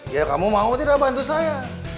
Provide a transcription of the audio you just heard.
ya kamu mau tidak bantu saya